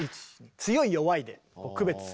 強い弱いで区別する。